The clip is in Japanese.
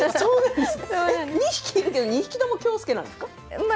２匹いるけれども２匹ともきょうすけなんですか？